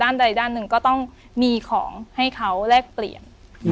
ด้านใดด้านหนึ่งก็ต้องมีของให้เขาแลกเปลี่ยน